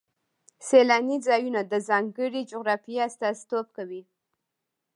سیلاني ځایونه د ځانګړې جغرافیې استازیتوب کوي.